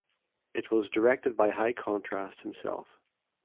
It was directed by High Contrast himself.